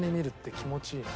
気持ちいいな。